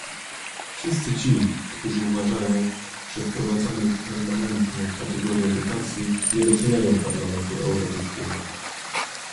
Wszyscy ci, którzy uważają, że wprowadzamy permanentną kategorię dotacji, nie doceniają Parlamentu Europejskiego